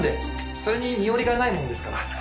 それに身寄りがないもんですから。